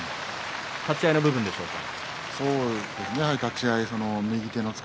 立ち合いの部分でしょうか？